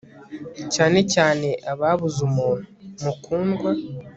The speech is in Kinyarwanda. cyane cyane ababuze umuntu mukundwa